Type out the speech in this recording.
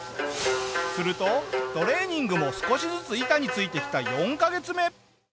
するとトレーニングも少しずつ板についてきた４カ月目。